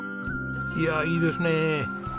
いやあいいですね。